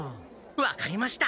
分かりました。